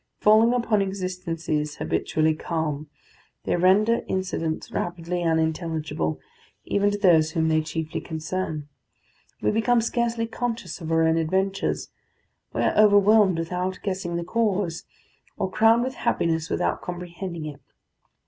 Falling upon existences habitually calm, they render incidents rapidly unintelligible even to those whom they chiefly concern; we become scarcely conscious of our own adventures; we are overwhelmed without guessing the cause, or crowned with happiness without comprehending it.